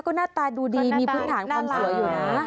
ก็หน้าตาดูดีมีพื้นฐานความสวยอยู่นะ